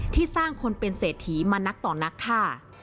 ที่สร้างคนเป็นเศรษฐีมานักต่อนักฆ่า